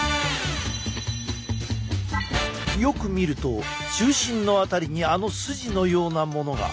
よく見ると中心の辺りにあの筋のようなものが。